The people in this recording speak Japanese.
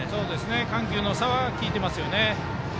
緩急の差は効いてますね。